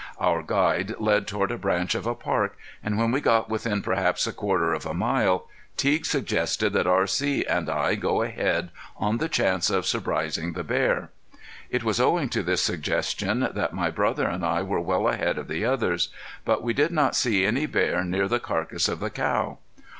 Our guide led toward a branch of a park, and when we got within perhaps a quarter of a mile Teague suggested that R.C. and I go ahead on the chance of surprising the bear. It was owing to this suggestion that my brother and I were well ahead of the others. But we did not see any bear near the carcass of the cow.